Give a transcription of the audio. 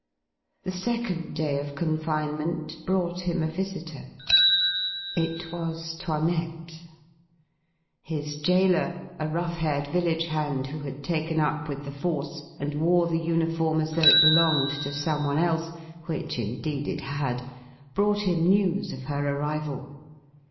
The second day of confinement brought him a visitor. It was 'Toinette. His jailer a rough haired village hand who had taken up with the "Force" and wore the uniform as though it belonged to someone else (which indeed it had) brought him news of her arrival.